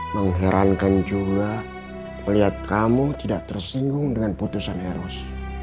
mengherankan juga melihat kamu tidak tersinggung dengan putusan eros